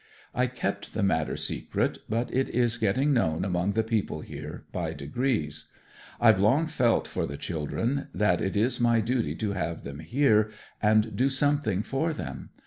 I kept the matter secret, but it is getting known among the people here by degrees. I've long felt for the children that it is my duty to have them here, and do something for them.